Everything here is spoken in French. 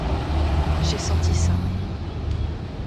J'ai senti ça.